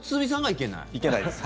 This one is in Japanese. いけないです。